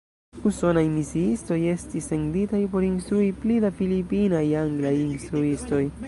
Usonaj misiistoj estis senditaj por instrui pli da filipinaj anglaj instruistoj.